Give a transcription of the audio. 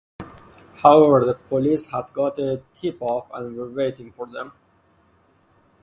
However the police had got a tip-off and were waiting for them.